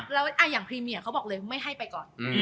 แล้วอย่างพรีเมียเขาบอกเลยไม่ให้ไปก่อน